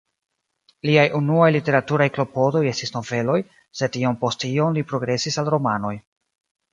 Liaj unuaj literaturaj klopodoj estis noveloj, sed iom post iom li progresis al romanoj.